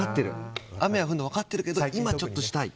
雨が降るの分かってるけど今ちょっとしたい。